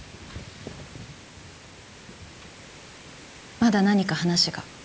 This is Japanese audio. まだ何か話が？